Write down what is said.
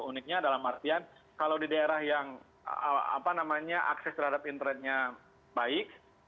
uniknya dalam artian kalau di daerah yang akses terhadap internetnya baik